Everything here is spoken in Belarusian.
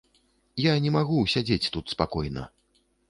Я не магу ўсядзець тут спакойна.